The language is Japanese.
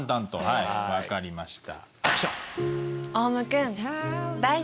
はい分かりました。